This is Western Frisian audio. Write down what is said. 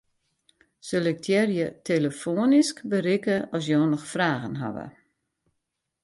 Selektearje 'telefoanysk berikke as jo noch fragen hawwe'.